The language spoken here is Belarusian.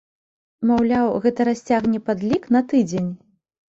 Маўляў, гэта расцягне падлік на тыдзень!